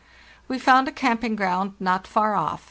"We found a camping ground not far off.